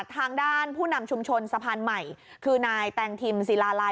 ทางด้านผู้นำชุมชนสะพานใหม่คือนายแตงทิมศิลาลัย